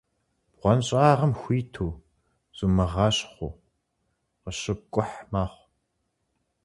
БгъуэнщӀагъым хуиту, зумыгъэщхъыу къыщыпкӀухь мэхъу.